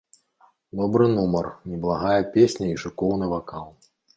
Добры нумар, неблагая песня і шыкоўны вакал.